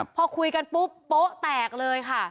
พอคุยกันปุ๊บโป๊ะแตกเลยค่ะ